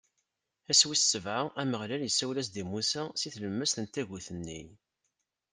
Ass wis sebɛa, Ameɣlal isawel-as-d i Musa si tlemmast n tagut-nni.